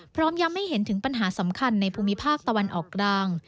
พร้อมย้ำให้เห็นถึงปัญหาสำคัญในภูมิภาคตะวันออกกลาง